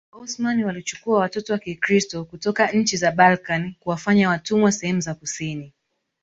Waosmani walichukua watoto wa Kikristo kutoka nchi za Balkani kuwafanya watumwa sehemu za kusini